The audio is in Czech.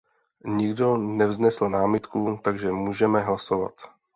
Nikdo nevznesl námitku, takže můžeme hlasovat.